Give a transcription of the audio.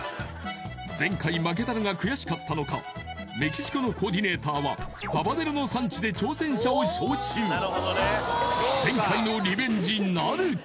前回負けたのが悔しかったのかメキシコのコーディネーターは者を招集前回のリベンジなるか